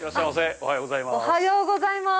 おはようございます。